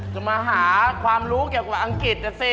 จะมาหาความรู้เกี่ยวกับอังกฤษนะสิ